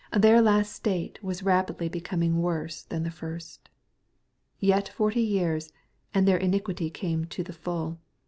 Their last state was rapidly becoming worse than the first. Yet forty years, and their iniquity came to the fall.